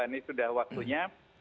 ini sudah waktunya